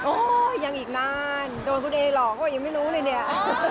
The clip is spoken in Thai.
โอ้ยยังอีกนานโดนคุณเอหลอกก็ยังไม่รู้เลยเนี่ย